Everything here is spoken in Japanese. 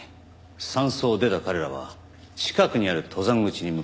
山荘を出た彼らは近くにある登山口に向かいます。